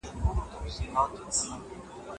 شیطان ملامت نه دی ولي دی بیچاره ګرم کړم